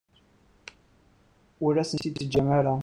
Ur asent-tt-id-teǧǧam ara.